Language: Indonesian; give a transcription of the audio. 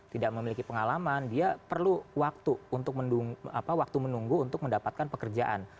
tidak memiliki pengalaman dia perlu waktu untuk menunggu apa waktu menunggu untuk mendapatkan pekerjaan